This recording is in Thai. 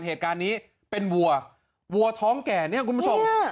เหตุการณ์นี้เป็นวัววัวท้องแก่เนี่ยคุณผู้ชม